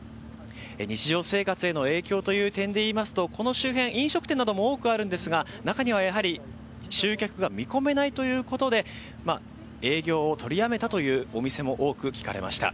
日常生活への影響という点で言いますと、この周辺飲食店も多くあるんですが中には、集客が見込めないということで営業を取りやめたというお店も多く聞かれました。